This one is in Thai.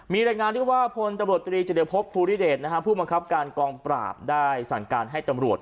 มีรายงานที่ว่าพลตำรวจตรีเจรพบภูริเดชผู้บังคับการกองปราบได้สั่งการให้ตำรวจ